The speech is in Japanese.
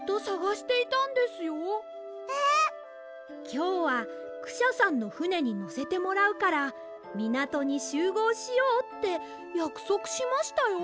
きょうはクシャさんのふねにのせてもらうからみなとにしゅうごうしようってやくそくしましたよ？